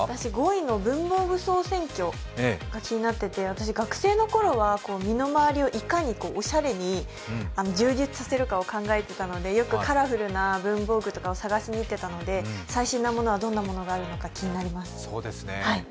５位の文房具総選挙が気になっていて、学生のころは身の回りをいかにおしゃれに充実させるかを考えていたのでよくカラフルな文房具とかを探しにいっていたので最新のものはどんなものがあるか気になります。